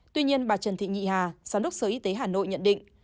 tuy nhiên bà trần thị nhị hà giám đốc sở y tế hà nội nhận định